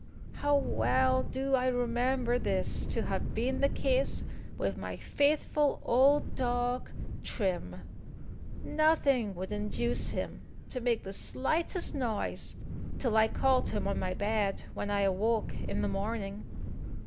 How well do I remember this to have been the case with my faithful old dog Trim! Nothing would induce him to make the slightest noise till I called him on my bed, when I awoke in the morning.